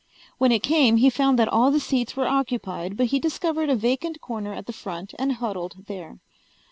When it came he found that all the seats were occupied but he discovered a vacant corner at the front and huddled there.